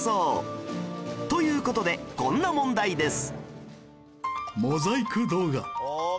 という事でこんな問題です